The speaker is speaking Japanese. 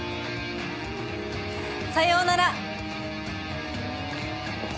さようなら。